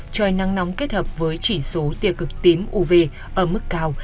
trời nắng nóng kết hợp với chỉ số tia cực tím uv ở mức cao